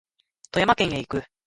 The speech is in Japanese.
富山県へ行く